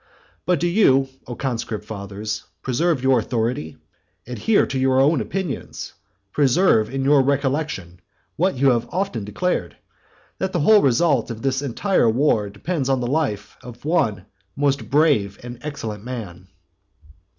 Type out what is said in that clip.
But do you, O conscript fathers, preserve your authority, adhere to your own opinions, preserve in your recollection, what you have often declared, that the whole result of this entire war depends on the life of one most brave and excellent man.